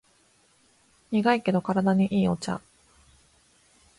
苦いけど体にいいお茶